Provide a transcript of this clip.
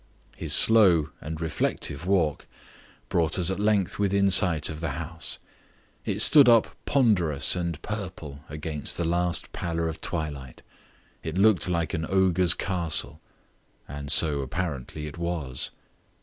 His slow and reflective walk brought us at length within sight of the house. It stood up ponderous and purple against the last pallor of twilight. It looked like an ogre's castle. And so apparently it was.